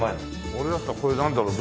俺だったらこれなんだろう？